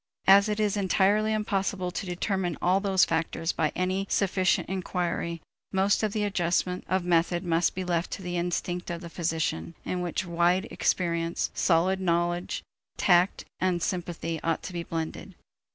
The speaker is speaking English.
As it is entirely impossible to determine all those factors by any sufficient inquiry, most of the adjustment of method must be left to the instinct of the physician, in which wide experience, solid knowledge, tact, and sympathy ought to be blended.